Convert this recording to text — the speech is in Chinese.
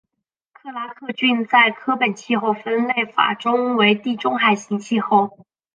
克拉克郡在柯本气候分类法中为地中海型气候。